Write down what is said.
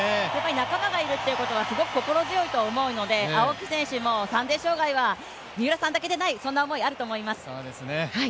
仲間がいるというのは心強いと思うので青木選手も３０００ｍ障害は三浦さんだけじゃない、そんな思いがあると思いますね。